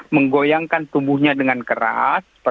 menggoyangkan tubuhnya dengan keras